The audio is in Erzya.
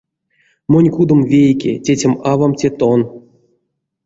Монь кудом вейке, тетям-авам — те тон.